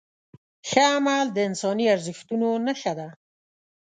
ښه عمل د انساني ارزښتونو نښه ده.